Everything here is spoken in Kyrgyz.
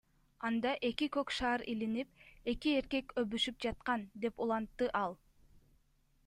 Анда эки көк шар илинип, эки эркек өбүшүп жаткан, — деп улантты ал.